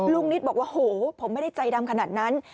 นิตบอกว่าโหผมไม่ได้ใจดำขนาดนั้น